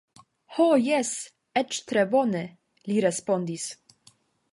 Ho jes, eĉ tre bone, li respondis.